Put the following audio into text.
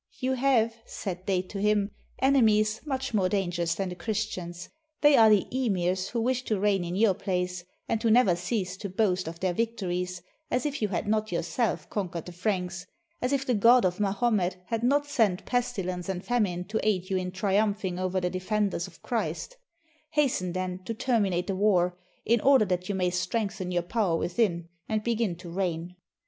"You have," said they to him, 629 PALESTINE " enemies much more dangerous than the Christians; they are the emirs, who wish to reign in your place, and who never cease to boast of their victories, as if you had not yourself conquered the Franks, as if the God of Ma homet had not sent pestilence and famine to aid you in triumphing over the defenders of Christ: hasten, then, to terminate the war, in order that you may strengthen your power within, and begin to reign."